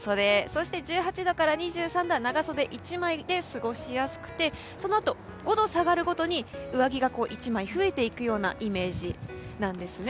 そして１８度から２３度は長袖１枚で過ごしやすくてそのあと５度下がるごとに上着が１枚増えていくようなイメージなんですね。